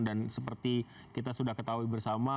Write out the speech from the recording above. dan seperti kita sudah ketahui bersama